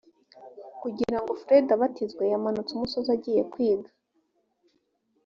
kugira ngo fredy abatizwe yamanutse umusozi agiyekwiga